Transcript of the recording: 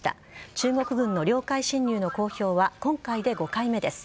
中国軍の領海侵入の公表は今回で５回目です。